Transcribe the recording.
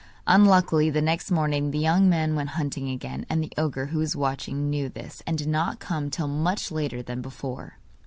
Unluckily the next morning the young man went hunting again, and the ogre, who was watching, knew this, and did not come till much later than before.